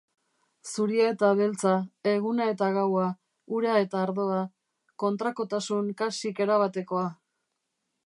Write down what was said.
Zuria eta beltza, eguna eta gaua, ura eta ardoa... kontrakotasun kasik erabatekoa.